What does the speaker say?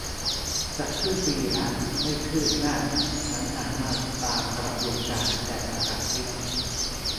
จะครึ่งปีละ ไม่คืบหน้า สรรหามาตามกระบวนการ แต่ประกาศไม่ได้